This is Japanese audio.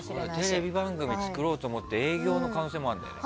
テレビ番組作ろうと思って営業の可能性もあるんだよね。